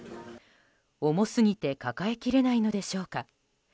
重すぎて抱えきれないのでしょうか。